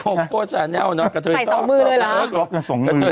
เป็นการกระตุ้นการไหลเวียนของเลือด